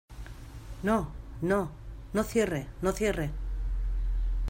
no, no , no cierre , no cierre.